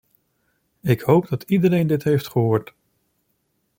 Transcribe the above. Ik hoop dat iedereen dit heeft gehoord.